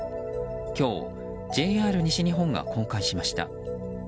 今日、ＪＲ西日本が公開しました。